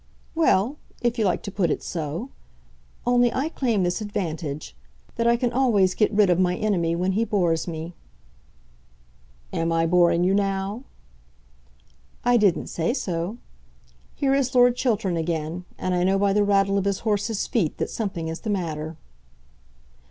"Well, if you like to put it so. Only I claim this advantage, that I can always get rid of my enemy when he bores me." "Am I boring you now?" "I didn't say so. Here is Lord Chiltern again, and I know by the rattle of his horse's feet that something is the matter."